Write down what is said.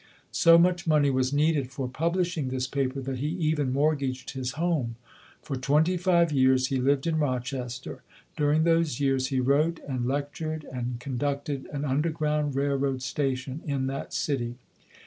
So much money was needed for publishing this paper that he even mortgaged his home. For twenty five years he lived in Rochester. During those years he wrote and lectured and conducted an "underground railroad station" in that city.